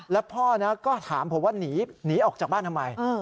แล้วพ่อก็ถามผมว่าหนีออกจากบ้านทำไม